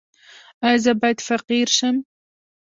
ایا زه باید فقیر شم؟